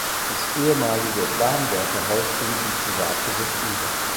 Das ehemalige Bahnwärterhaus ging in Privatbesitz über.